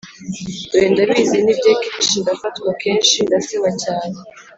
dore ndabizi nibye kenshi ndafatwa kenshi ndaseba cyane